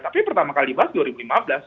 tapi pertama kali bahas dua ribu lima belas